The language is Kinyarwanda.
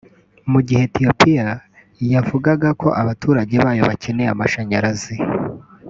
mu gihe Ethiopie yavugaga ko abaturage bayo bakeneye amashanyarazi